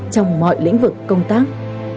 trong mọi lĩnh vực công tác